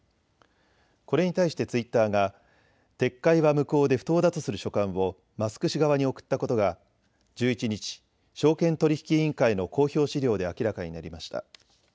これに対してツイッターが撤回は無効で不当だとする書簡をマスク氏側に送ったことが１１日、証券取引委員会の公表資料で明らかになりました。